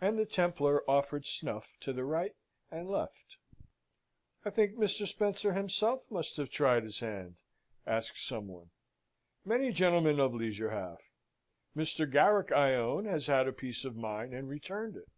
and the Templar offered snuff to the right and left. "I think Mr. Spencer himself must have tried his hand?" asks some one. "Many gentlemen of leisure have. Mr. Garrick, I own, has had a piece of mine and returned it."